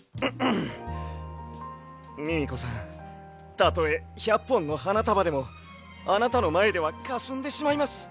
たとえ１００ぽんのはなたばでもあなたのまえではかすんでしまいます。